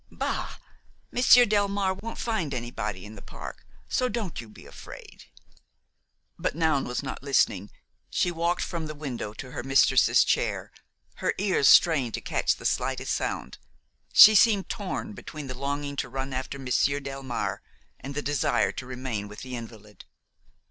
Bah! Monsieur Delmare won't find anybody in the park, so don't you be afraid." But Noun was not listening; she walked from the window to her mistress's chair, her ears strained to catch the slightest sound; she seemed torn between the longing to run after Monsieur Delmare and the desire to remain with the invalid.